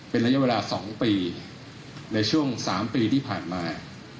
เป็นระยะเวลา๒ปีในช่วง๓ปีที่ผ่านมา